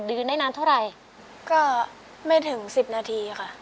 ยืนได้นานเท่าไรก็ไม่ถึงสิบนาทีค่ะไม่ถึงสิบนาที